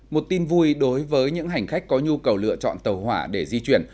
một tin vui đối với những hành khách có nhu cầu lựa chọn tàu hỏa để di chuyển